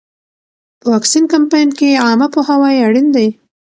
په واکسین کمپاین کې عامه پوهاوی اړین دی.